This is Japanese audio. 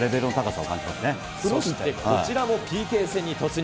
そしてこちらもＰＫ戦に突入。